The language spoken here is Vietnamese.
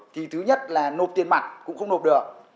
thì thứ nhất là nộp tiền mặt cũng không nộp được